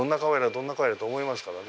どんな顔やろ？」と思いますからね。